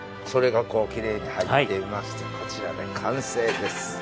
それがきれいに入っていましてこちらで完成です。